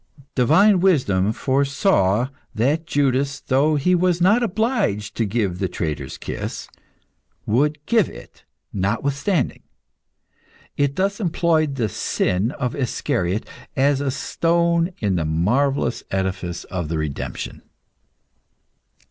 Divine wisdom foresaw that Judas, though he was not obliged to give the traitor's kiss, would give it, notwithstanding. It thus employed the sin of Iscariot as a stone in the marvellous edifice of the redemption.